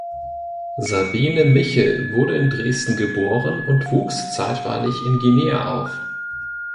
Sabine Michel wurde in Dresden geboren und wuchs zeitweilig in Guinea auf.